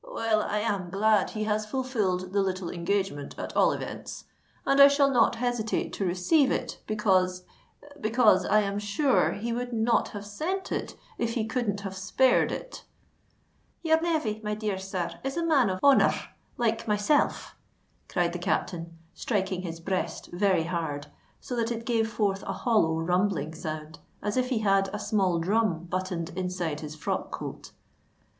"Well, I am glad he has fulfilled the little engagement, at all events; and I shall not hesitate to receive it, because—because I am sure he would not have sent it, if he couldn't have spared it." "Your nev vy, my dear sir, is a man of honour r—like myself!" cried the captain, striking his breast very hard, so that it gave forth a hollow, rumbling sound, as if he had a small drum buttoned inside his frock coat.